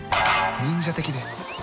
忍者的で。